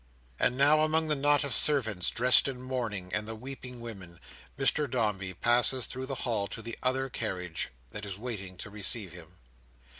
And now, among the knot of servants dressed in mourning, and the weeping women, Mr Dombey passes through the hall to the other carriage that is waiting to receive him.